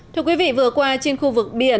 thưa quý vị vừa qua trên khu vực biển